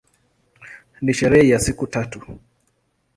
Ni sherehe ya siku tatu.